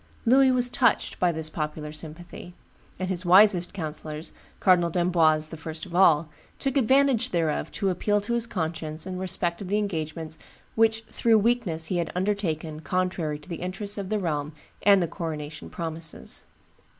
Louis was touched by this popular sympathy; and his wisest councillors, Cardinal d'Amboise the first of all, took advantage thereof to appeal to his conscience in respect of the engagements which "through weakness he had undertaken contrary to the interests of the realm and the coronation promises."